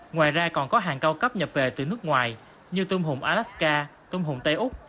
ngoài ra còn có hàng cao cấp nhập về từ nước ngoài như tôm hùm alaska tôm hùng tây úc